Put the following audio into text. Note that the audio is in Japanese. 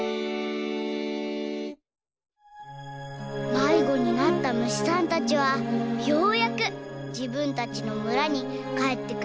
まいごになったむしさんたちはようやくじぶんたちのむらにかえってくることができました。